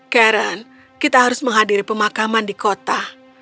karen kita harus menghadiri pemakaman di kota